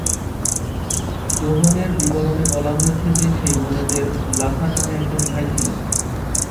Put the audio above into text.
যোহনের বিবরণে বলা হয়েছে যে, সেই বোনদের লাসার নামে একজন ভাই ছিল।